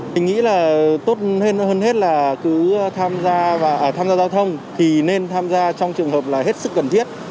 mình nghĩ là tốt hơn hết là cứ tham gia giao thông thì nên tham gia trong trường hợp là hết sức cần thiết